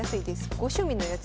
ご趣味のやつ。